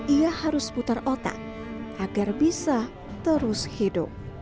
ia harus putar otak agar bisa terus hidup